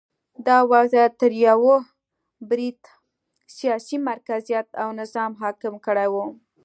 دا وضعیت تر یوه بریده سیاسي مرکزیت او نظم حاکم کړی و